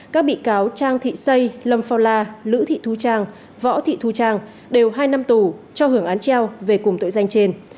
các bị cáo trang thị xây lâm pha la lữ thị thu trang võ thị thu trang đều hai năm tù cho hưởng án treo về cùng tội danh trên